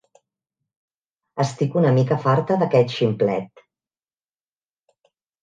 Estic una mica farta d'aquest ximplet